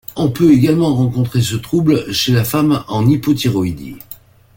On peut également rencontrer ce trouble chez la femme en hypothyroïdie.